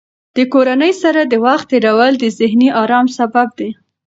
د کورنۍ سره د وخت تېرول د ذهني ارام سبب دی.